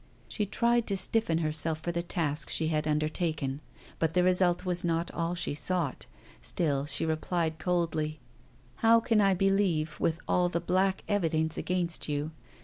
She tried to stiffen herself for the task she had undertaken, but the result was not all she sought Still, she replied coldly "How can I believe with all the black evidence against you?